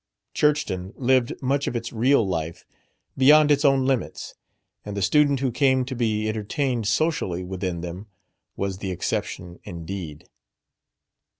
Churchton lived much of its real life beyond its own limits, and the student who came to be entertained socially within them was the exception indeed.